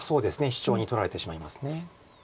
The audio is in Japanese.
シチョウに取られてしまいます。